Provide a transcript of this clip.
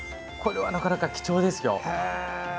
これはなかなか貴重ですよ。